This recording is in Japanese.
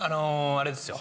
あれですよ。